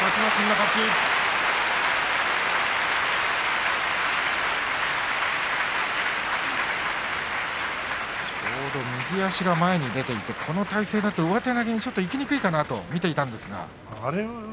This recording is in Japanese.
拍手ちょうど右足が前に出てこの体勢だと上手投げにいきにくいかなと見ていたんですが。